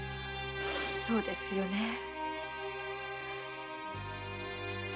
そうですよね。